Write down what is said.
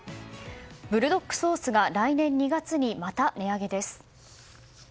ブルドックソースが来年２月にまた値上げです。